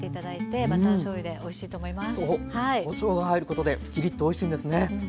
こしょうが入ることでキリッとおいしいんですね。